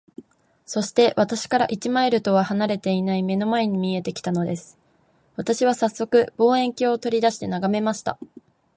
そして、私から一マイルとは離れていない眼の前に見えて来たのです。私はさっそく、望遠鏡を取り出して眺めました。